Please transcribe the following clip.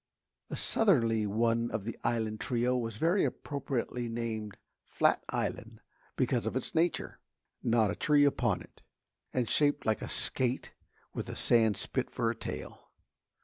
The southerly one of the island trio was very appropriately named Flat Island because of its nature: Not a tree upon it and shaped like a skate with a sand spit for a tail.